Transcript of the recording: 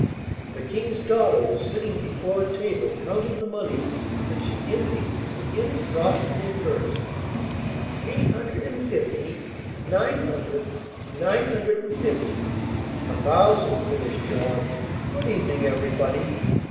The King's daughter was sitting before a table counting the money that she emptied from the inexhaustible purse. 'Eight hundred and fifty, nine hundred, nine hundred and fifty ' 'A thousand,' finished John. 'Good evening everybody!